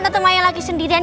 tante maya lagi sendirian